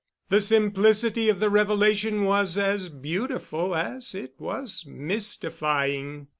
The simplicity of the revelation was as beautiful as it was mystifying.